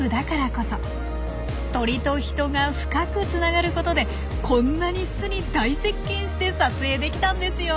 鳥と人が深くつながることでこんなに巣に大接近して撮影できたんですよ！